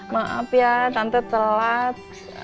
maaf ya tante telat